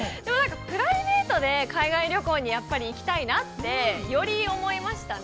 プライベートで海外旅行に行きたいなってより思いましたね。